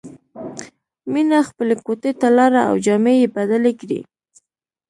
مینه خپلې کوټې ته لاړه او جامې یې بدلې کړې